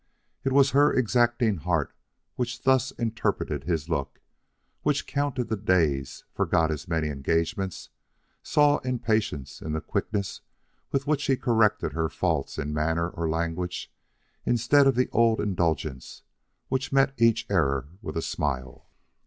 It was her exacting heart which thus interpreted his look which counted the days forgot his many engagements saw impatience in the quickness with which he corrected her faults in manner or language instead of the old indulgence which met each error with a smile.